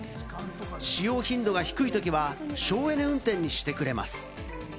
使用頻度が低いときは省エネ運転にしてくれます。